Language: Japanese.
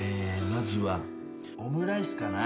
まずはオムライスかな？